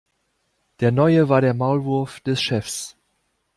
Der Neue war der Maulwurf des Chefs.